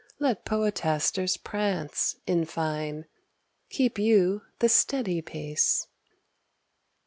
Let poetasters prance, in fine; Keep you the steady pace.